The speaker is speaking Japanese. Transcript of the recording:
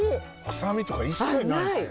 臭みとか一切ないですね。